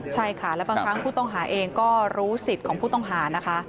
ใช่ค่ะและบางครั้งผู้ต้องหาเองก็รู้สิทธิ์ของผู้ต้องหานะคะ